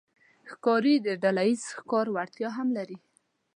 ښکاري د ډلهییز ښکار وړتیا هم لري.